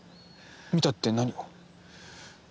見たって何を？